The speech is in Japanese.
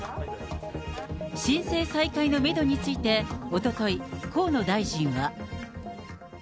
申請再開のメドについて、おととい、河野大臣は。